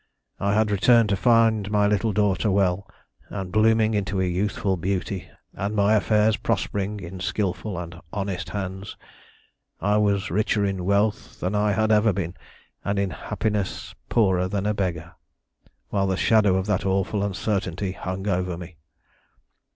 I had returned to find my little daughter well and blooming into youthful beauty, and my affairs prospering in skilful and honest hands. I was richer in wealth than I had ever been, and in happiness poorer than a beggar, while the shadow of that awful uncertainty hung over me.